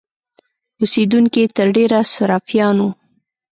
اوسېدونکي یې تر ډېره سرفیان وو.